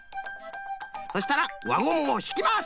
そしたら輪ゴムをひきます！